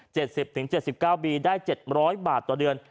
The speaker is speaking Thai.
สิบถึงเจ็ดสิบเก้าปีได้เจ็ดร้อยบาทต่อเดือน